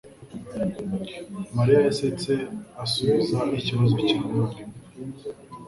Mariya yasetse asubiza ikibazo cya mwarimu